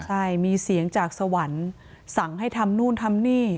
ใช่มีเสียงจากสวรรค์สั่งให้ทำนู่นทำนี่